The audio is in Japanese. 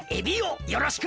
よろしくな。